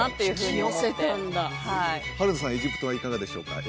エジプトはいかがでしょうか？